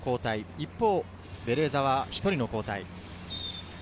一方、ベレーザは１人の交代。